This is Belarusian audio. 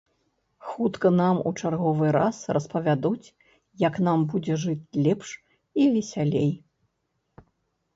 Хутка нам у чарговы раз распавядуць, як нам будзе жыць лепш і весялей.